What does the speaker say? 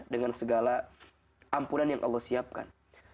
dengan segala ampunan yang allah siapkan